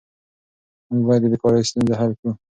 موږ باید د بیکارۍ ستونزه حل کړو.